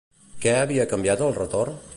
Què havia canviat al retorn?